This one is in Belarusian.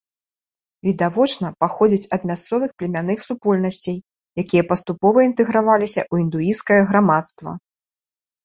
Відавочна, паходзіць ад мясцовых племянных супольнасцей, якія паступова інтэграваліся ў індуісцкае грамадства.